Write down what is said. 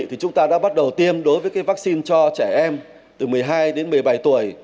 thì chúng ta đã bắt đầu tiêm đối với cái vaccine cho trẻ em từ một mươi hai đến một mươi bảy tuổi